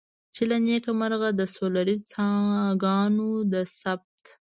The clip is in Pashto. چې له نیکه مرغه د سولري څاګانو د ثبت.